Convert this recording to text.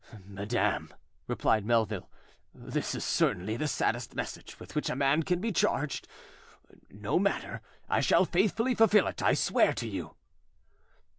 "Madam," replied Melville, "this is certainly the saddest message with which a man can be charged: no matter, I shall faithfully fulfil it, I swear to you."